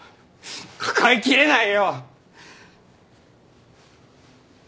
抱えきれないよ！